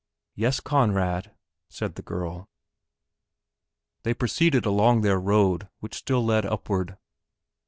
"Yes, Conrad," said the girl. They proceeded along their road which still led upward.